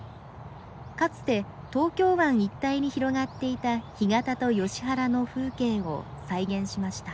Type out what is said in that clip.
かつて東京湾一帯に広がっていた干潟とヨシ原の風景を再現しました。